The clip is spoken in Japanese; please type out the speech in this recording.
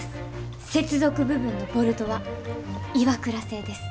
接続部分のボルトはＩＷＡＫＵＲＡ製です。